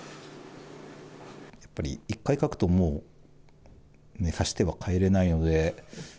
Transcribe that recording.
やっぱり、一回書くと、もう指し手は変えれないので。